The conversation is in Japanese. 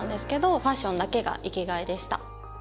ファッションだけが生きがいでした。